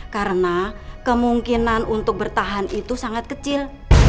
karena kemungkinan untuk bertahan itu sangat kecil